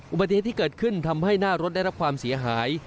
อุบัติเหตุที่เกิดขึ้นทำให้หน้ารถได้รับความเสียหาย